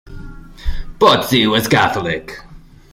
Pozzi was Catholic.